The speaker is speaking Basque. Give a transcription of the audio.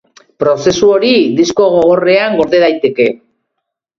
Prozesu hori disko gogorrean gorde daiteke.